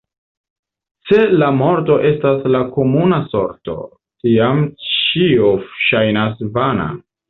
Se la morto estas la komuna sorto, tiam ĉio ŝajnas vana.